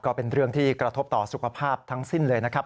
ก็เป็นเรื่องที่กระทบต่อสุขภาพทั้งสิ้นเลยนะครับ